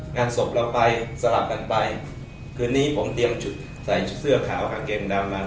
งานศพเราไปสลับกันไปคืนนี้ผมเตรียมชุดใส่ชุดขาวกางเกงดำมัน